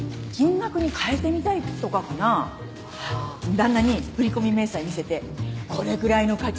旦那に振り込み明細見せて「これぐらいの価値ありますけど」